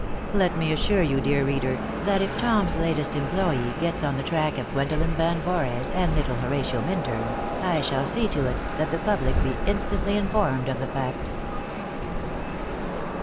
Let me assure you, dear reader, that if Tom's latest employee gets on the track of Gwendolen Van Voorhees and little Horatio Minturn, I shall see to it that the public be instantly informed of the fact.